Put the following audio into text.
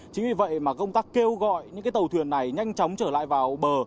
chính vì vậy mà công tác kêu gọi những tàu thuyền này nhanh chóng trở lại vào bờ